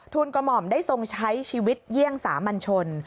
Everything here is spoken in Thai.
กระหม่อมได้ทรงใช้ชีวิตเยี่ยงสามัญชน